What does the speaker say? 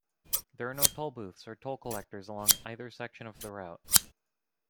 There are no tollbooths or toll collectors along either section of the route.